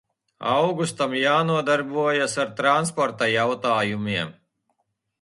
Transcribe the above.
Augustam jānodarbojas ar transporta jautājumiem.